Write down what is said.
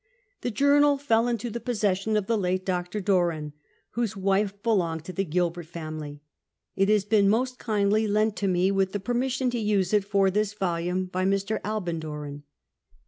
The journal fell into the possession of the late Dr. Doran, whose wife belonged to the Gilbert family. It has been most kindly lent to me, with permission to use it for this volume, by Mr. Alban Doran.